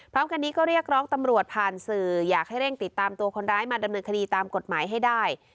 พร้อมกันนี้ก็เรียกร้องตำรวจผ่านสื่ออยากให้เร่งติดตามตัวคนร้ายมาดำเนินคดีตามกฎหมายให้ได้